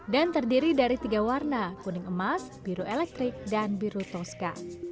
dan terdiri dari tiga warna kuning emas biru elektrik dan biru toska